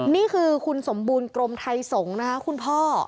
นี่คือคุณสมบูรณ์กรมไทยสงฆ์นะคะคุณพ่อ